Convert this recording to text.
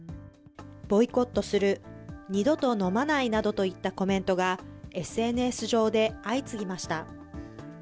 ボイコットする、二度と飲まないなどといったコメントが、ＳＮＳ上で相次ぎました。